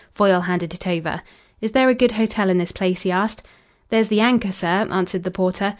Foyle handed it over. "Is there a good hotel in this place?" he asked. "There's the Anchor, sir," answered the porter.